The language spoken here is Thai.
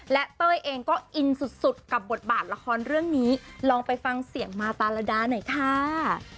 และเต้ยเองก็อินสุดกับบทบาทละครเรื่องนี้ลองไปฟังเสียงมาตาระดาหน่อยค่ะ